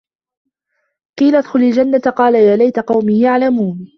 قيلَ ادخُلِ الجَنَّةَ قالَ يا لَيتَ قَومي يَعلَمونَ